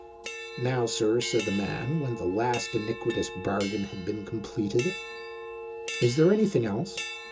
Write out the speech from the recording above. "Now, sir," said the man, when the last iniquitous bargain had been completed, "is there nothing else